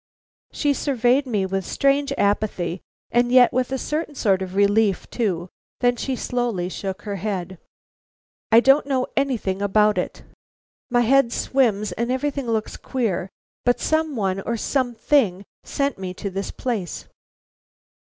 She surveyed me with strange apathy, and yet with a certain sort of relief too. Then she slowly shook her head. "I don't know anything about it. My head swims and everything looks queer, but some one or something sent me to this place."